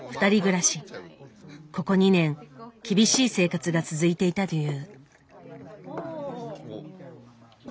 ここ２年厳しい生活が続いていたという。